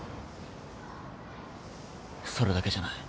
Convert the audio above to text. それだけじゃない。